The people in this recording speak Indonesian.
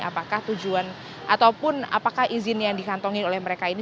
apakah tujuan ataupun apakah izin yang dikantongin oleh mereka ini